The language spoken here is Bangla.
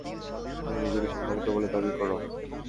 আর তুমি নিজেকে সন্মানিত বলে দাবি কর?